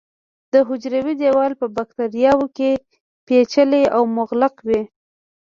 د حجروي دیوال په باکتریاوو کې پېچلی او مغلق وي.